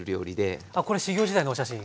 これ修業時代のお写真。